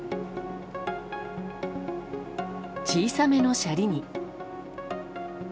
小さめのシャリに。